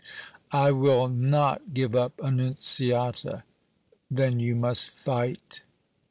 "I will not give up Annunziata!" "Then you must fight!"